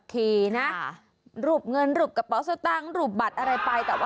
คือกระเป๋าสะตางหรือบัตรอะไรไป